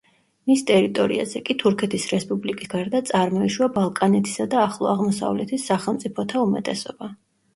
მის ტერიტორიაზე კი თურქეთის რესპუბლიკის გარდა წარმოიშვა ბალკანეთისა და ახლო აღმოსავლეთის სახელმწიფოთა უმეტესობა.